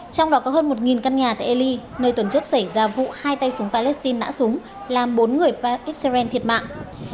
trong đó có hơn một căn nhà tại elie nơi tuần trước xảy ra vụ hai tay súng palestine đã súng làm bốn người xrn thiệt mạng